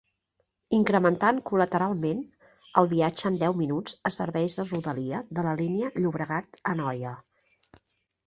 Incrementant col·lateralment el viatge en deu minuts a serveis de rodalia de la Línia Llobregat-Anoia.